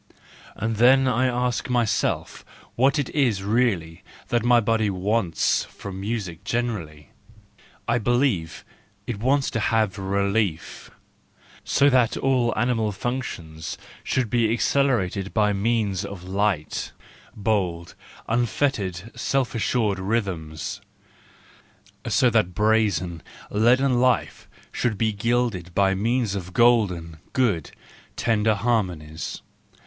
And then I ask myself what it is really that my body wants from music generally. WE FEARLESS ONES 329 I believe it wants to have relief: so that all animal functions should be accelerated by means of light, bold, unfettered, self assured rhythms; so that brazen, leaden life should be gilded by means of golden, good, tender harmonies.